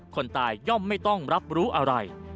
คนตายย่อมไม่ต้องรับรู้อะไร